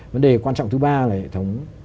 vấn đề quan trọng thứ ba là hệ thống